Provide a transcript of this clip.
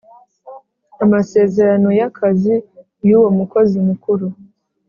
Amasezerano y ‘akazi y’ uwo mukozi mukuru